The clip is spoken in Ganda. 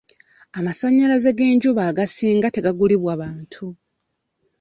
Amasannyalaze g'enjuba agasinga tegaagulibwa bantu.